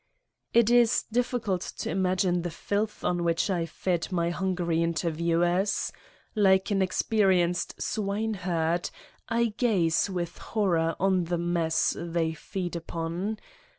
It is difficult to imagine the filth on which I fed my hungry interviewers. Like an experienced swine herd, I gaze with horror on the mess they feed upon.